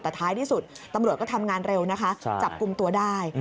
แต่ท้ายที่สุดตำรวจก็ทำงานเร็วนะคะจับกลุ่มตัวได้